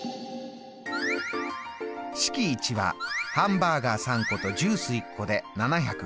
式１はハンバーガー３個とジュース１個で７５０円。